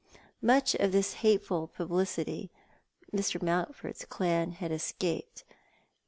Much of this hateful publicity ^Ir. Mountford's clan Iiad escaped.